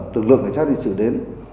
lực lượng cảnh sát điện sử đến